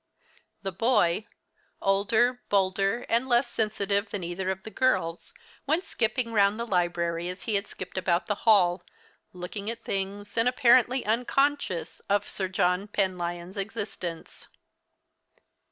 The boy, older, bolder, and less sensitive than either of the girls, went skipping around the library as he had skipped about the hall, looking at things and apparently unconscious of Sir John Penlyon's existence.